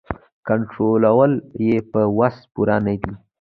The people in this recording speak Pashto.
کنټرولول یې په وس پوره نه دي.